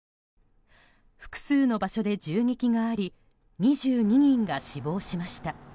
複数の場所で銃撃があり２２人が死亡しました。